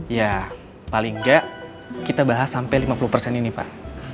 ya paling enggak kita bahas sampai lima puluh persen ini pak